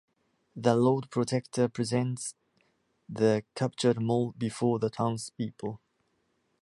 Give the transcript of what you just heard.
The Lord Protector presents the captured Moll before the townspeople.